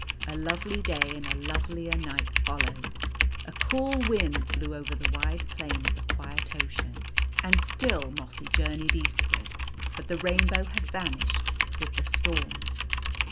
A lovely day and a lovelier ni^ht followed. A cool wind blew over the wide O plain of the quiet ocean. And still Mossy journeyed eastward. But the rainbow had vanished with the storm.